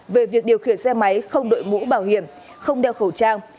về việc điều khiển xe máy không đội mũ bảo hiểm không đeo khẩu trang